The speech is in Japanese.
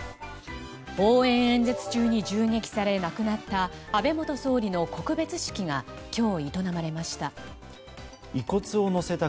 応援演説中に銃撃され亡くなった安倍元総理の告別式が今日、営まれました。